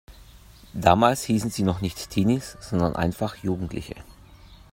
Damals hießen sie noch nicht Teenies sondern einfach Jugendliche.